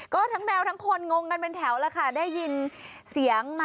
ก็ทั้งแมวทั้งคนงงกันเป็นแถวแล้วค่ะได้ยินเสียงมา